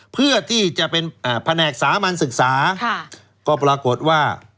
เพื่อที่จะเป็นแผนกสามัญศึกษาก็ปรากฏว่า